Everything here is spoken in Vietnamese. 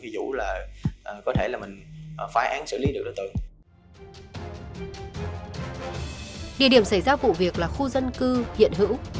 địa điểm xảy ra vụ việc là khu dân cư hiện hữu